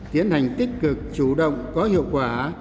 tiến hành tích cực chủ động có hiệu quả